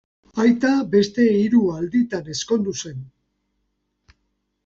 Aita beste hiru alditan ezkondu zen.